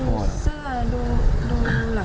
เพราะว่าพ่อมีสองอารมณ์ความรู้สึกดีใจที่เจอพ่อแล้ว